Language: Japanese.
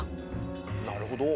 なるほど。